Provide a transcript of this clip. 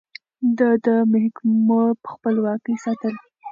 ده د محکمو خپلواکي ساتله.